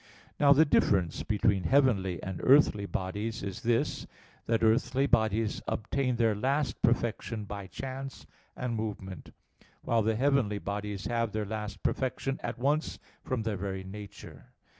Now, the difference between heavenly and earthly bodies is this, that earthly bodies obtain their last perfection by chance and movement: while the heavenly bodies have their last perfection at once from their very nature.